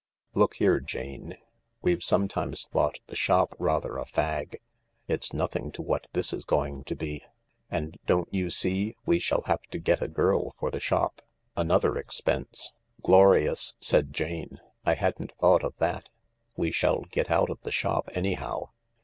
Look here, Jane, we've sometimes thought the shop rather a fag. It's nothing to what this is going to be. And don't you see we shall have to get a girl for the shop ? Another expense." " Glorious !" said Jane. " I hadn't thought of that. We shall get out of the shop, anyhow.